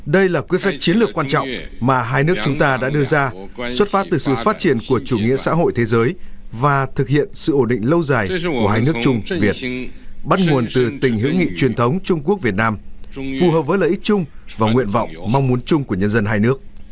đây là quyết sách chiến lược quan trọng mà hai nước chúng ta đã đưa ra xuất phát từ sự phát triển của chủ nghĩa xã hội thế giới và thực hiện sự ổ định lâu dài của hai nước trung việt bắt nguồn từ tình hữu nghị truyền thống trung quốc việt nam phù hợp với lợi ích chung và nguyện vọng mong muốn chung của nhân dân hai nước